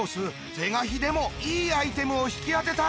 是が非でもいいアイテムを引き当てたい。